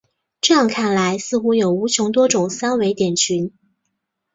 这样看来似乎有无穷多种三维点群。